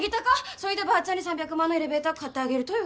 そいでばーちゃんに３００万のエレベーター買ってあげるとよ